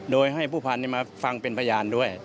โดยให้ผู้พันธุ์มาฟังเป็นพยานด้วย